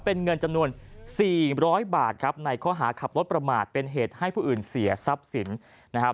เป็นเงินจำนวน๔๐๐บาทครับในข้อหาขับรถประมาทเป็นเหตุให้ผู้อื่นเสียทรัพย์สินนะครับ